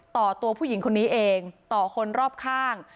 ต่อตัวผู้หญิงคนนี้เองต่อคนรอบข้าง